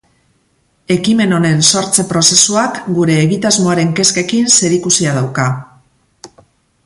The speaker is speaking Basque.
Ekimen honen sortze prozesuak gure egitasmoaren kezkekin zerikusia dauka.